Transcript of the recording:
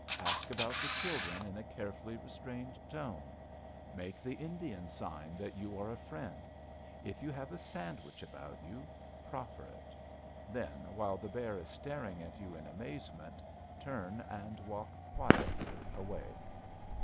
Ask about the children, in a carefully restrained tone. Make the Indian sign that you are a friend. If you have a sandwich about you, proffer it. Then, while the bear is staring at you in amazement, turn and walk quietly away.